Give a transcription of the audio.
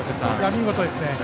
見事ですね。